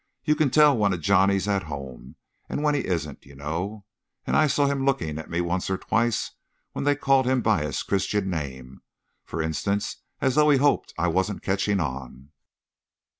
You can tell when a Johnny's at home and when he isn't, you know, and I saw him looking at me once or twice when they called him by his Christian name, for instance, as though he hoped I wasn't catching on."